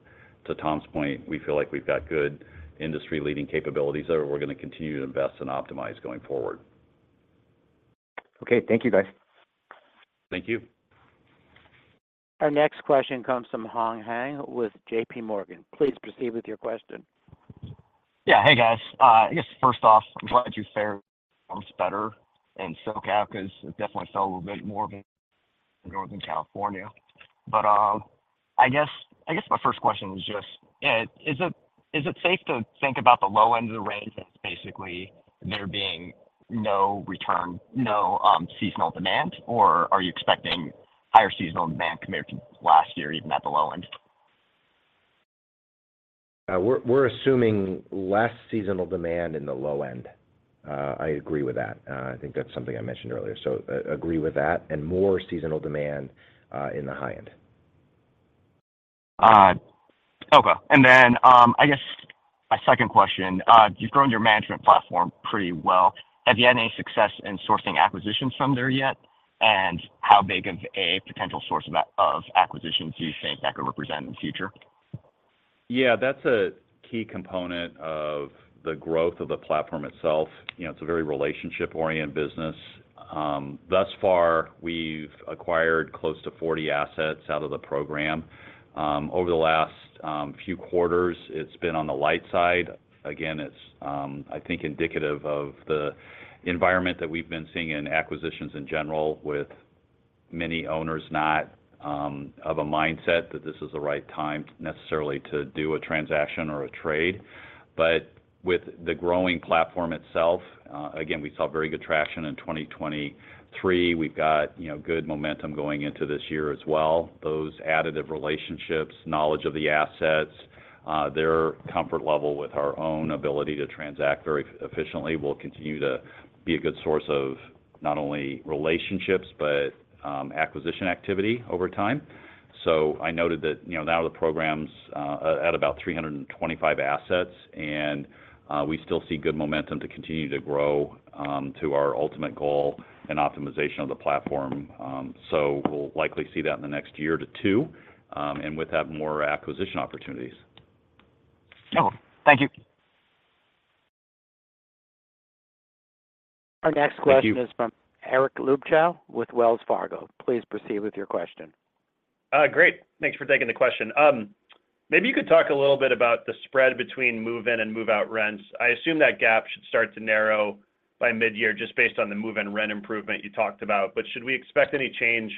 to Tom's point, we feel like we've got good industry-leading capabilities that we're going to continue to invest in and optimize going forward. Okay. Thank you, guys. Thank you. Our next question comes from Hong Zhang with JPMorgan. Please proceed with your question. Yeah. Hey, guys. I guess first off, I'm glad you fared better in SoCal because it definitely felt a little bit more of a Northern California. But I guess my first question is just, yeah, is it safe to think about the low end of the range as basically there being no seasonal demand, or are you expecting higher seasonal demand compared to last year even at the low end? We're assuming less seasonal demand in the low end. I agree with that. I think that's something I mentioned earlier. So agree with that and more seasonal demand in the high end. Okay. And then I guess my second question, you've grown your management platform pretty well. Have you had any success in sourcing acquisitions from there yet? And how big of a potential source of acquisitions do you think that could represent in the future? Yeah. That's a key component of the growth of the platform itself. It's a very relationship-oriented business. Thus far, we've acquired close to 40 assets out of the program. Over the last few quarters, it's been on the light side. Again, it's, I think, indicative of the environment that we've been seeing in acquisitions in general with many owners not of a mindset that this is the right time necessarily to do a transaction or a trade. But with the growing platform itself, again, we saw very good traction in 2023. We've got good momentum going into this year as well. Those additive relationships, knowledge of the assets, their comfort level with our own ability to transact very efficiently will continue to be a good source of not only relationships but acquisition activity over time. So I noted that now the program's at about 325 assets, and we still see good momentum to continue to grow to our ultimate goal and optimization of the platform. So we'll likely see that in the next year to two, and with that, more acquisition opportunities. Okay. Thank you. Our next question is from Eric Luebchow with Wells Fargo. Please proceed with your question. Great. Thanks for taking the question. Maybe you could talk a little bit about the spread between move-in and move-out rents. I assume that gap should start to narrow by midyear just based on the move-in rent improvement you talked about. But should we expect any change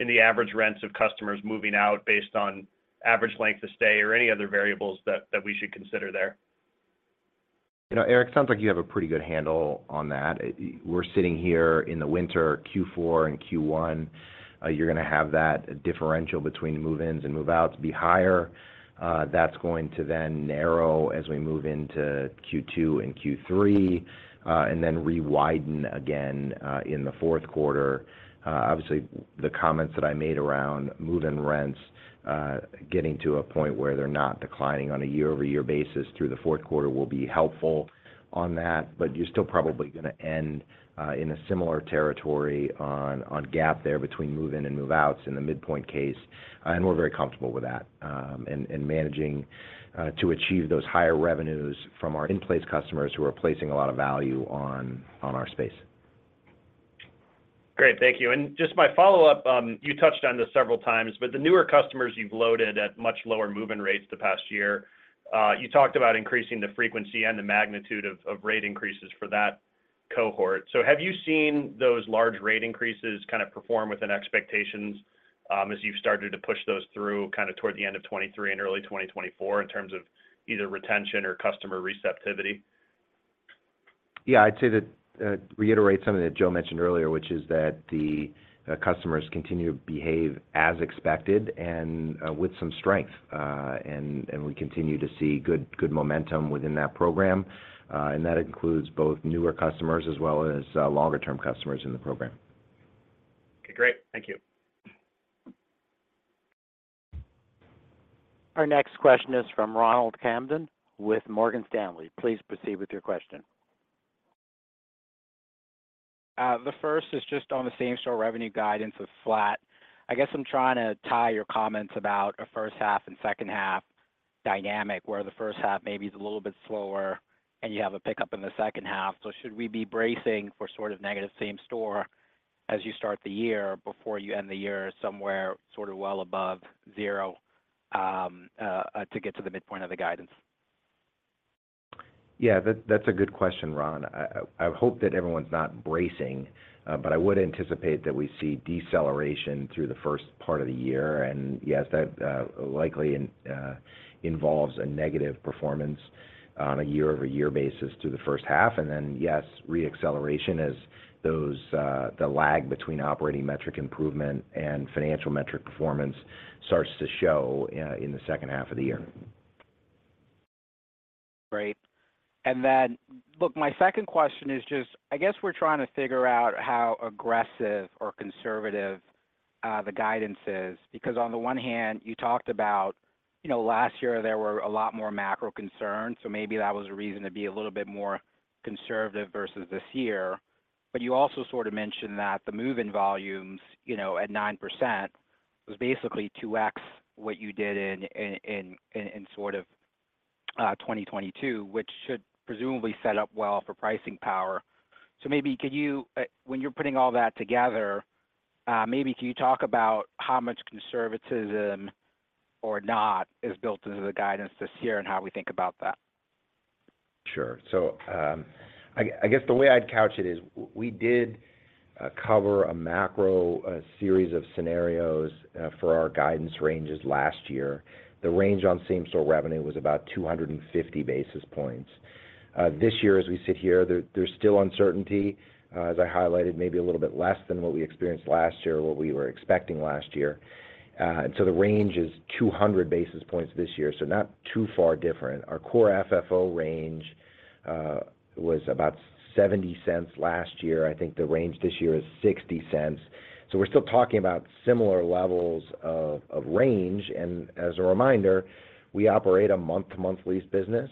in the average rents of customers moving out based on average length of stay or any other variables that we should consider there? Eric, it sounds like you have a pretty good handle on that. We're sitting here in the winter, Q4 and Q1. You're going to have that differential between move-ins and move-outs be higher. That's going to then narrow as we move into Q2 and Q3 and then rewiden again in the fourth quarter. Obviously, the comments that I made around move-in rents getting to a point where they're not declining on a year-over-year basis through the fourth quarter will be helpful on that. But you're still probably going to end in a similar territory on gap there between move-in and move-outs in the midpoint case. And we're very comfortable with that and managing to achieve those higher revenues from our in-place customers who are placing a lot of value on our space. Great. Thank you. Just my follow-up, you touched on this several times, but the newer customers you've loaded at much lower move-in rates the past year, you talked about increasing the frequency and the magnitude of rate increases for that cohort. So have you seen those large rate increases kind of perform within expectations as you've started to push those through kind of toward the end of 2023 and early 2024 in terms of either retention or customer receptivity? Yeah. I'd say to reiterate something that Joe mentioned earlier, which is that the customers continue to behave as expected and with some strength. And we continue to see good momentum within that program. And that includes both newer customers as well as longer-term customers in the program. Okay. Great. Thank you. Our next question is from Ronald Kamden with Morgan Stanley. Please proceed with your question. The first is just on the same-store revenue guidance with flat. I guess I'm trying to tie your comments about a first-half and second-half dynamic where the first half maybe is a little bit slower, and you have a pickup in the second half. So should we be bracing for sort of negative same-store as you start the year before you end the year somewhere sort of well above zero to get to the midpoint of the guidance? Yeah. That's a good question, Ron. I hope that everyone's not bracing, but I would anticipate that we see deceleration through the first part of the year. Yes, that likely involves a negative performance on a year-over-year basis through the first half. Then yes, reacceleration as the lag between operating metric improvement and financial metric performance starts to show in the second half of the year. Great. And then, look, my second question is just I guess we're trying to figure out how aggressive or conservative the guidance is because on the one hand, you talked about last year, there were a lot more macro concerns. So maybe that was a reason to be a little bit more conservative versus this year. But you also sort of mentioned that the move-in volumes at 9% was basically 2x what you did in sort of 2022, which should presumably set up well for pricing power. So maybe when you're putting all that together, maybe can you talk about how much conservatism or not is built into the guidance this year and how we think about that? Sure. So I guess the way I'd couch it is we did cover a macro series of scenarios for our guidance ranges last year. The range on same-store revenue was about 250 basis points. This year, as we sit here, there's still uncertainty, as I highlighted, maybe a little bit less than what we experienced last year or what we were expecting last year. And so the range is 200 basis points this year, so not too far different. Our core FFO range was about $0.70 last year. I think the range this year is $0.60. So we're still talking about similar levels of range. And as a reminder, we operate a month-to-month lease business.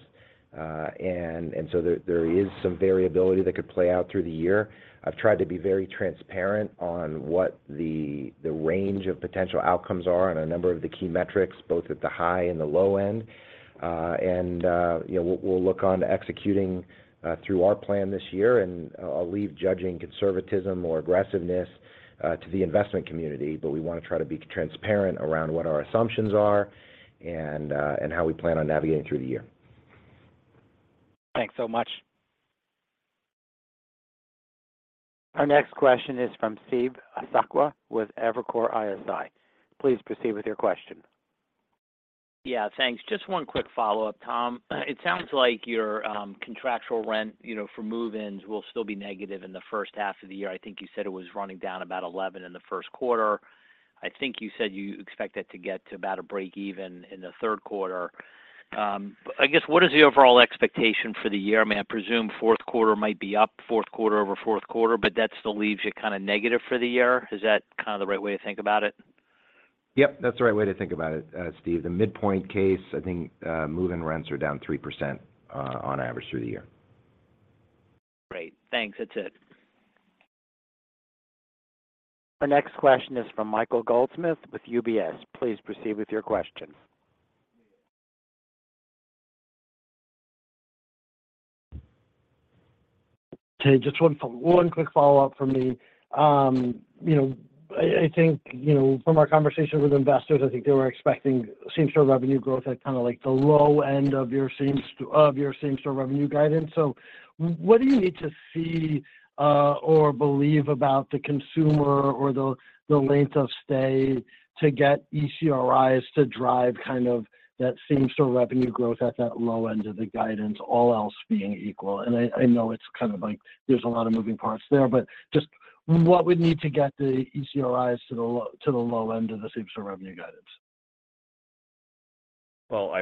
And so there is some variability that could play out through the year. I've tried to be very transparent on what the range of potential outcomes are and a number of the key metrics, both at the high and the low end. We'll look on executing through our plan this year. I'll leave judging conservatism or aggressiveness to the investment community. But we want to try to be transparent around what our assumptions are and how we plan on navigating through the year. Thanks so much. Our next question is from Steve Sakwa with Evercore ISI. Please proceed with your question. Yeah. Thanks. Just one quick follow-up, Tom. It sounds like your contractual rent for move-ins will still be negative in the first half of the year. I think you said it was running down about 11 in the first quarter. I think you said you expect that to get to about a break-even in the third quarter. I guess what is the overall expectation for the year? I mean, I presume fourth quarter might be up, fourth quarter over fourth quarter, but that still leaves you kind of negative for the year. Is that kind of the right way to think about it? Yep. That's the right way to think about it, Steve. The midpoint case, I think move-in rents are down 3% on average through the year. Great. Thanks. That's it. Our next question is from Michael Goldsmith with UBS. Please proceed with your question. Okay. Just one quick follow-up from me. I think from our conversation with investors, I think they were expecting same-store revenue growth at kind of the low end of your same-store revenue guidance. So what do you need to see or believe about the consumer or the length of stay to get ECRIs to drive kind of that same-store revenue growth at that low end of the guidance, all else being equal? And I know it's kind of like there's a lot of moving parts there, but just what would need to get the ECRIs to the low end of the same-store revenue guidance? Well,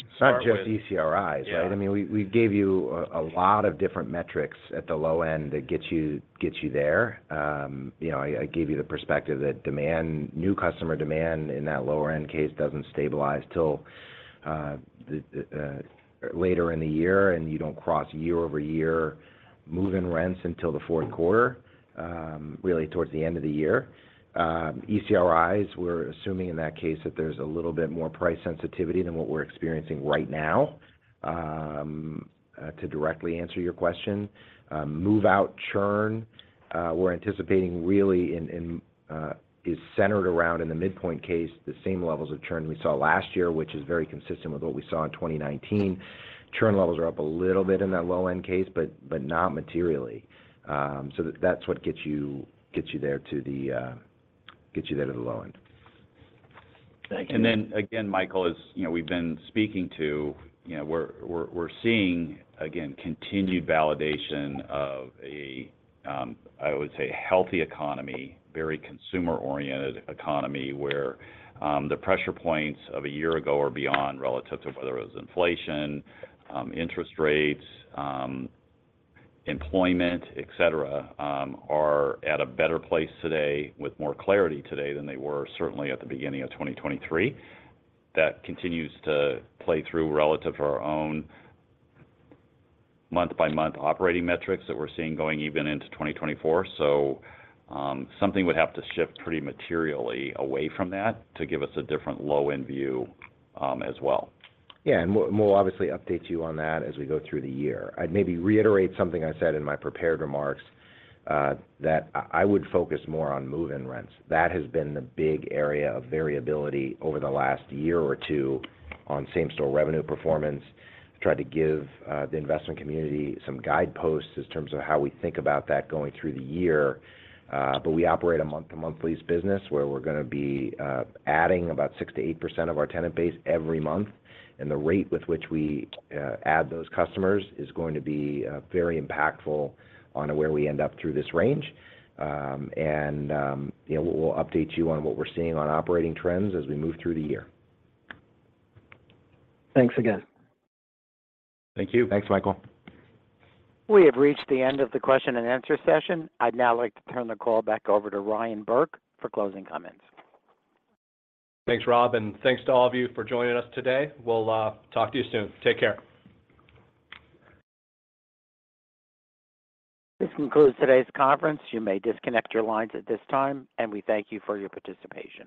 it's not just ECRIs, right? I mean, we gave you a lot of different metrics at the low end that gets you there. I gave you the perspective that new customer demand in that lower-end case doesn't stabilize till later in the year, and you don't cross year-over-year move-in rents until the fourth quarter, really towards the end of the year. ECRIs, we're assuming in that case that there's a little bit more price sensitivity than what we're experiencing right now. To directly answer your question, move-out churn, we're anticipating really is centered around in the midpoint case the same levels of churn we saw last year, which is very consistent with what we saw in 2019. Churn levels are up a little bit in that low-end case, but not materially. So that's what gets you there to the low end. Thank you. And then again, Michael, as we've been speaking to, we're seeing, again, continued validation of a, I would say, healthy economy, very consumer-oriented economy where the pressure points of a year ago or beyond relative to whether it was inflation, interest rates, employment, etc., are at a better place today with more clarity today than they were certainly at the beginning of 2023. That continues to play through relative to our own month-by-month operating metrics that we're seeing going even into 2024. So something would have to shift pretty materially away from that to give us a different low-end view as well. Yeah. And we'll obviously update you on that as we go through the year. I'd maybe reiterate something I said in my prepared remarks that I would focus more on move-in rents. That has been the big area of variability over the last year or two on same-store revenue performance. I tried to give the investment community some guideposts in terms of how we think about that going through the year. But we operate a month-to-month lease business where we're going to be adding about 6%-8% of our tenant base every month. And the rate with which we add those customers is going to be very impactful on where we end up through this range. And we'll update you on what we're seeing on operating trends as we move through the year. Thanks again. Thank you. Thanks, Michael. We have reached the end of the question-and-answer session. I'd now like to turn the call back over to Ryan Burke for closing comments. Thanks, Rob. And thanks to all of you for joining us today. We'll talk to you soon. Take care. This concludes today's conference. You may disconnect your lines at this time, and we thank you for your participation.